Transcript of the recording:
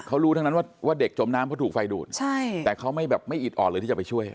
เขารู้ทั้งนั้นว่าเด็กจมน้ำเพราะถูกไฟดูดใช่แต่เขาไม่แบบไม่อิดอ่อนเลยที่จะไปช่วย